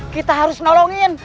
kita harus menolong mamin